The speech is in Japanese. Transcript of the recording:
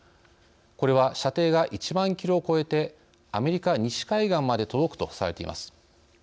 これは射程が１万キロを超えてアメリカ西海岸まで届くとされています。